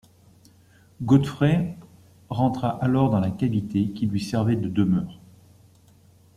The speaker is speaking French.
Godfrey rentra alors dans la cavité qui lui servait de demeure.